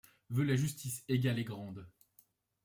Veut la justice égale et grande